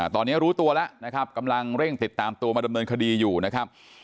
ตอนนี้รู้ตัวแล้วนะครับกำลังเร่งติดตามตัวมาดำเนินคดีอยู่นะครับ